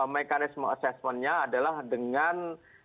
mekanisme asesmennya adalah dengan